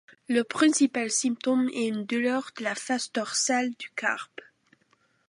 Le principal symptôme est une douleur de la face dorsale du carpe.